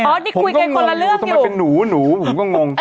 ผมก็งงอยู่มีหนูหนูผมก็งง